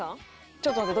ちょっと待って。